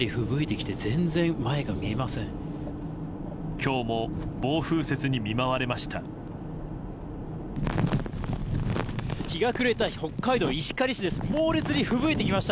今日も暴風雪に見舞われました。